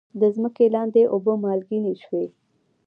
د ځمکې لاندې اوبه مالګینې شوي؟